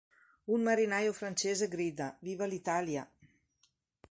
Un marinaio francese grida "Viva l'Italia!